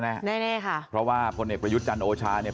แน่แน่ค่ะเพราะว่าพลเอกประยุทธ์จันทร์โอชาเนี่ย